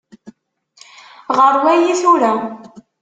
Ɣeṛ wayi tura.